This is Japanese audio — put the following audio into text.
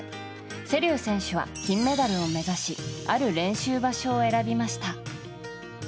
瀬立選手は金メダルを目指しある練習場所を選びました。